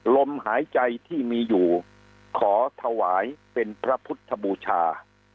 ลมหายใจที่มีอยู่ขอถวายเป็นพระพุทธบูชา